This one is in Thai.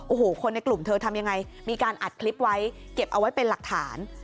โอ้โหคนในกลุ่มเธอทำยังไงมีการอัดคลิปไว้เก็บเอาไว้เป็นหลักฐาน